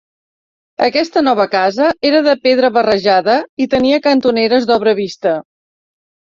Aquesta nova casa era de pedra barrejada i tenia cantoneres d'obra vista.